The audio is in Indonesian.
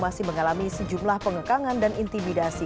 masih mengalami sejumlah pengekangan dan intimidasi